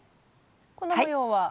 この模様は？